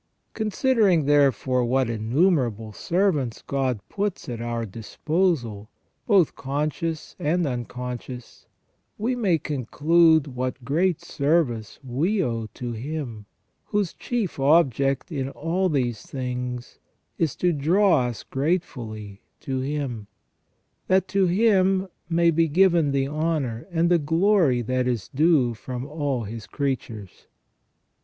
Considering, therefore, what innumerable servants God puts at our disposal, both conscious and unconscious, we may conclude what great service we owe to Him, whose chief object in all these helps is to draw us gratefully to Him ; that to Him may be given the honour and the glory that is due from all His creatures.